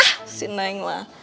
ah si neng lah